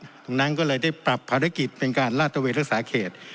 ดังนั้นก็เลยได้ปรับภารกิจเป็นการลาดตะเวนรักษาเขต